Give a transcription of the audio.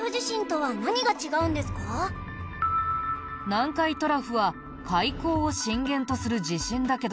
南海トラフは海溝を震源とする地震だけど。